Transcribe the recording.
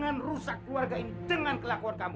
aku akan merusak keluarga ini dengan kelakuan kamu